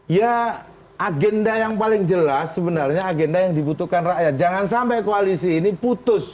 ya agenda yang paling jelas sebenarnya agenda yang dibutuhkan rakyat jangan sampai koalisi ini putus